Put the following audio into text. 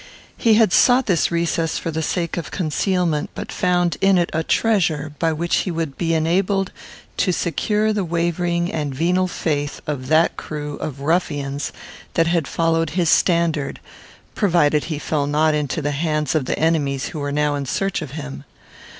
He had sought this recess for the sake of concealment, but found in it a treasure by which he would be enabled to secure the wavering and venal faith of that crew of ruffians that followed his standard, provided he fell not into the hands of the enemies who were now in search of him.